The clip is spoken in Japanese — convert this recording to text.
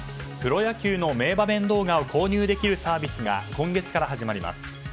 プロ野球の名場面動画を購入できるサービスが今月から始まります。